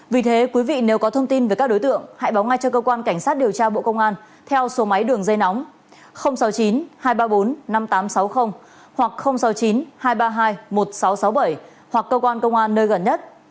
vì thế quý vị nếu có thông tin về các đối tượng hãy báo ngay cho cơ quan cảnh sát điều tra bộ công an theo số máy đường dây nóng sáu mươi chín hai trăm ba mươi bốn năm nghìn tám trăm sáu mươi hoặc sáu mươi chín hai trăm ba mươi hai một nghìn sáu trăm sáu mươi bảy hoặc cơ quan công an nơi gần nhất